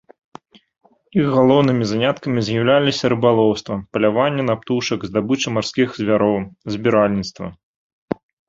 Іх галоўнымі заняткамі з'яўляліся рыбалоўства, паляванне на птушак, здабыча марскіх звяроў, збіральніцтва.